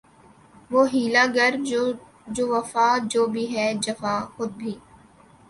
وہ حیلہ گر جو وفا جو بھی ہے جفاخو بھی